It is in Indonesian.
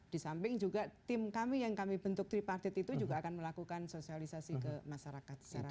di samping juga tim kami yang kami bentuk tripartit itu juga akan melakukan sosialisasi ke masyarakat secara